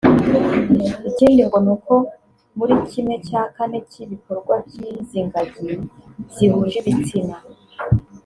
Ikindi ngo ni uko muri kimwe cya kane cy’ibikorwa by’izi ngagi zihuje ibitsina